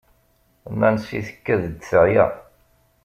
Nancy tkad-d teεya.